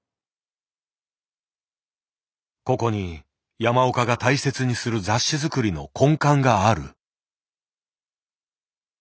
ここに山岡が大切にする雑誌作りの根幹がある。